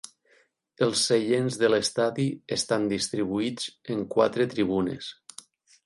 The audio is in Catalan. Els seients de l'estadi estan distribuïts en quatre tribunes.